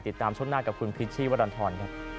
ติดตามช่วงหน้ากับคุณพิษชีวรรณธรณ